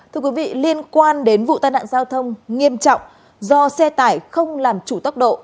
thưa quý vị liên quan đến vụ tai nạn giao thông nghiêm trọng do xe tải không làm chủ tốc độ